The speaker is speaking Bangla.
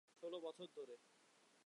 ষোল বছর ধরে?